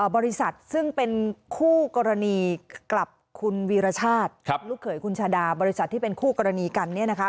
บริษัทซึ่งเป็นคู่กรณีกับคุณวีรชาติลูกเขยคุณชาดาบริษัทที่เป็นคู่กรณีกันเนี่ยนะคะ